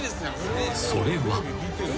［それは］